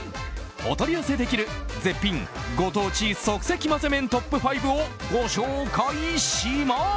お取り寄せできる絶品ご当地即席まぜ麺トップ５をご紹介します。